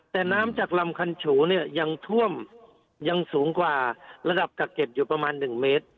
แต่น้ำจากลำคันฉูเนี่ยยังท่วมยังสูงกว่าระดับกักเก็บอยู่ประมาณ๑เมตร